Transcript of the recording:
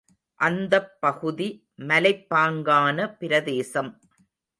அந்தப் பகுதி மலைப்பாங்கான பிரதேசம்.